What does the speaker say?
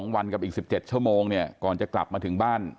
วันกับอีก๑๗ชั่วโมงเนี่ยก่อนจะกลับมาถึงบ้าน